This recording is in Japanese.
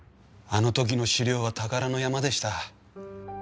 あの時の資料は宝の山でした。